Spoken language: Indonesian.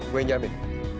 gue yang jamin